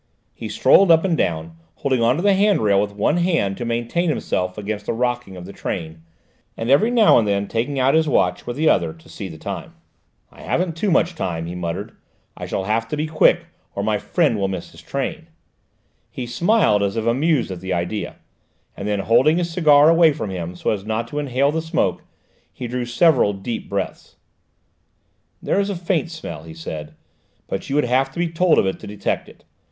He strolled up and down, holding on to the hand rail with one hand to maintain himself against the rocking of the train, and every now and then taking out his watch with the other to see the time. "I haven't any too much time," he muttered. "I shall have to be quick, or my friend will miss his train!" He smiled, as if amused at the idea, and then, holding his cigar away from him so as not to inhale the smoke, he drew several deep breaths. "There is a faint smell," he said, "but you would have to be told of it to detect it.